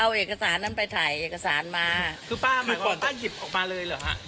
เอาเอกสารนั้นไปถ่ายเอกสารมาคือป้ามีคนป้าหยิบออกมาเลยเหรอฮะ